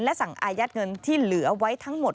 สั่งอายัดเงินที่เหลือไว้ทั้งหมด